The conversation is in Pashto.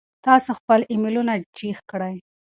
تاسو خپل ایمیلونه چیک کړئ.